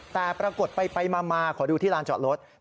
แต่ปรากฏไปมาขอดูที่ลานจอดรถ